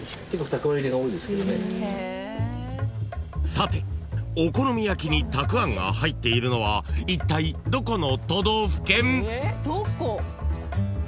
［さてお好み焼きにたくあんが入っているのはいったいどこの都道府県？］